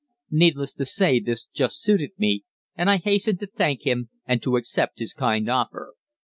Needless to say, this just suited me, and I hastened to thank him and to accept his kind offer.